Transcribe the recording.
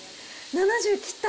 ７０切った。